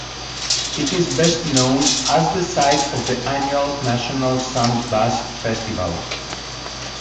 It is best known as the site of the annual National Sand Bass Festival.